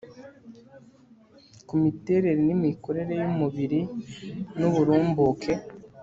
ku miterere n imikorere y umubiri n uburumbuke